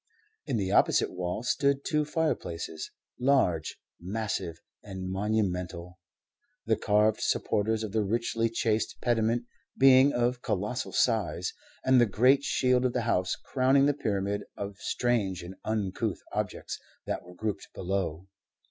In the opposite wall stood two fireplaces, large, massive, and monumental, the carved supporters of the richly chased pediment being of colossal size, and the great shield of the house crowning the pyramid of strange and uncouth objects that were grouped below.